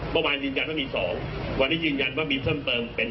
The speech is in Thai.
เมื่อวานยืนยันว่ามี๒วันนี้ยืนยันว่ามีเพิ่มเติมเป็น